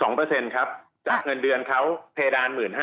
ทางประกันสังคมก็จะสามารถเข้าไปช่วยจ่ายเงินสมทบให้๖๒